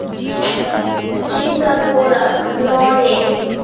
ওরা যুদ্ধের জন্য প্রস্তুত, গুলাবো লড়ে, সিতাবো লড়ে।